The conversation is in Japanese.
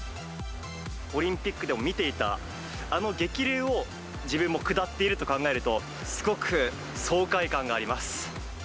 オリンピックでも見ていたあの激流を、自分も下っていると考えると、すごく爽快感があります。